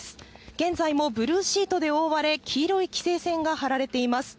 現在もブルーシートで覆われ、黄色い規制線が張られています。